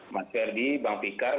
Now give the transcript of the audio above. mas ferdi bang fikar